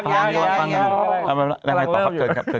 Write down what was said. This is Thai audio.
กำลังให้ต่อครับเกินขึ้นครับ